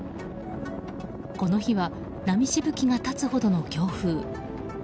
この日は波しぶきが立つほどの強風。